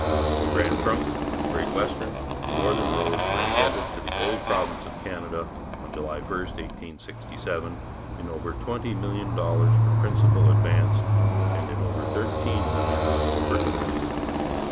The Grand Trunk, Great Western, and Northern roads were indebted to the old province of Canada on July 1, 1867, in over twenty million dollars for principal advanced and in over thirteen millions for interest.